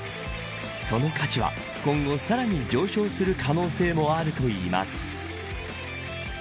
その価値は今後さらに上昇する可能性もあるといいます。